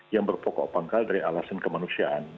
yang berpokok pangkal dari alasan kemanusiaan